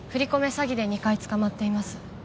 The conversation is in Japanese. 詐欺で２回捕まっています